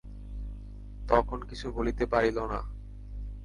তখন কিছু বলিতে পারিল না।